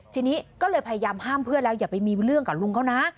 ทีนี้ก็เลยพยายามห้ามเพื่อนแล้วอย่าไปมีเรื่องกับลุงเขานะ